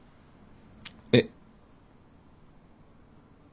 えっ。